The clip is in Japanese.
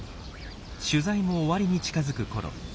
取材も終わりに近づくころ